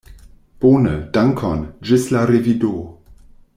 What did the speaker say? Bone, dankon; ĝis la revido.